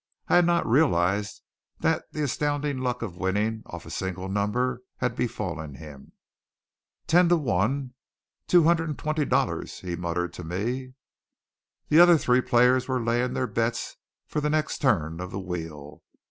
I had not realized that the astounding luck of winning off a single number had befallen him. "Ten to one two hundred and twenty dollars!" he muttered to me. The other three players were laying their bets for the next turn of the wheel.